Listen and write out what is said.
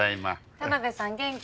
田辺さん元気？